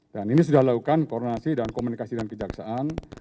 dan ini sudah lakukan koordinasi dan komunikasi dengan kejaksaan